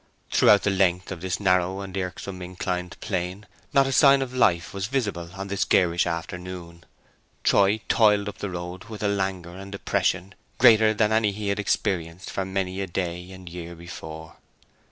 Throughout the length of this narrow and irksome inclined plane not a sign of life was visible on this garish afternoon. Troy toiled up the road with a languor and depression greater than any he had experienced for many a day and year before.